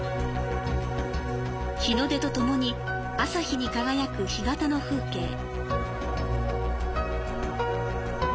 日の出とともに朝日に輝く干潟の風景。